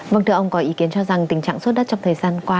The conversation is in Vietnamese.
vâng thưa ông có ý kiến cho rằng tình trạng xuất đất trong thời gian qua